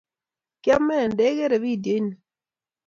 kyameey, ndegeree vidioit ni